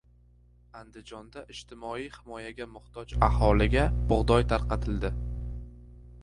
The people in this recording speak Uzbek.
Andijonda ijtimoiy himoyaga muhtoj aholiga bug‘doy tarqatildi